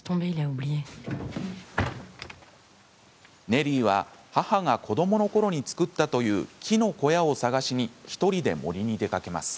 ネリーは母が子どものころに作ったという木の小屋を探しに１人で森に出かけます。